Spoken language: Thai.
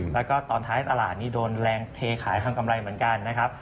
แล้วก็ตอนท้ายตลาดนี่โดนแรงเทขายทางกำไรเหมือนกันนะครับ